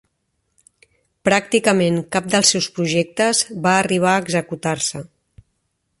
Pràcticament cap dels seus projectes va arribar a executar-se.